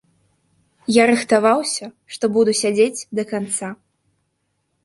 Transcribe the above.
Я рыхтаваўся, што буду сядзець да канца.